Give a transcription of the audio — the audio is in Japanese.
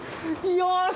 よし！